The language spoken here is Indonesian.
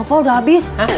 sama pak udah habis